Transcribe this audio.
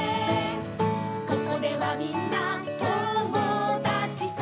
「ここではみんな友だちさ」